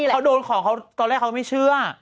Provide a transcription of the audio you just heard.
เขาโดนของเขาตอนแรกเขาไม่เชื่อ